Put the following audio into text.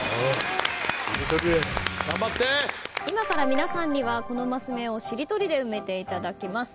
今から皆さんにはこのマス目をしりとりで埋めていただきます。